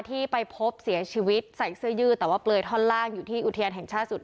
ที่ไปพบเสียชีวิตใส่เสื้อยืดแต่ว่าเปลือยท่อนล่างอยู่ที่อุทยานแห่งชาติสุด